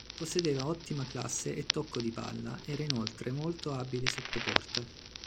Possedeva ottima classe e tocco di palla; era inoltre molto abile sottoporta.